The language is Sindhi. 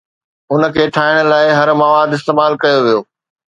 ان کي ٺاهڻ لاء هر مواد استعمال ڪيو ويو